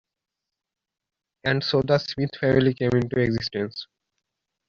And so The Smith Family came into existence.